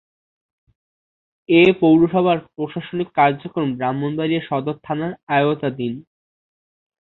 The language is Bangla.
এ পৌরসভার প্রশাসনিক কার্যক্রম ব্রাহ্মণবাড়িয়া সদর থানার আওতাধীন।